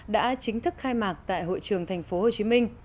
đã chính thức khai mạc tại hội trường tp hcm